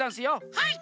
はい！